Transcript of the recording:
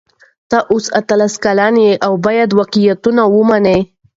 ته اوس اتلس کلنه یې او باید واقعیتونه ومنې.